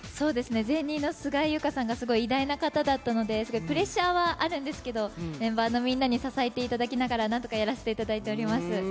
前任の菅井友香さんが偉大な方だったのでプレッシャーはあるんですけどメンバーのみんなに支えていただきながら何とかやらせていただいております。